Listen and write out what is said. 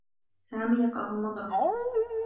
سامي يكره المدرسة.